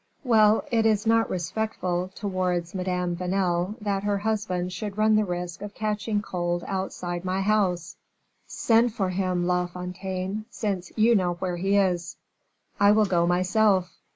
"Well, it is not respectful towards Madame Vanel that her husband should run the risk of catching cold outside my house; send for him, La Fontaine, since you know where he is." "I will go myself."